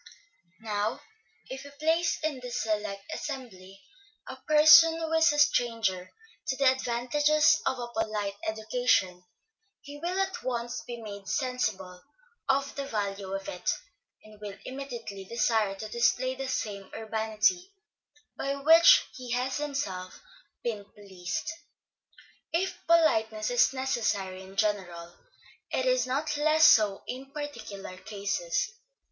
Now if we place in this select assembly, a person who is a stranger to the advantages of a polite education, he will at once be made sensible of the value of it, and will immediately desire to display the same urbanity by which he has himself been pleased. If politeness is necessary in general, it is not less so in particular cases.